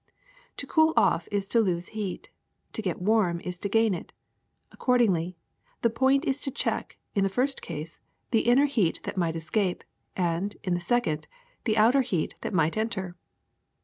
To cool off is to lose heat; to get warm is to gain it. Accordingly, the point is to check, in the first case, the inner heat that might escape, and, in the second, the outer heat that might enter.